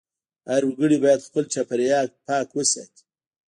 هر وګړی باید خپل چاپېریال پاک وساتي.